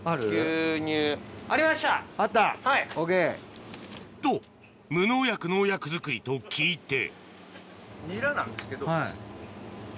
ＯＫ。と無農薬農薬作りと聞いてはい。